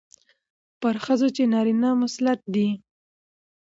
پر ښځو چې نارينه مسلط دي،